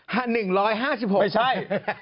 ไม่ใช่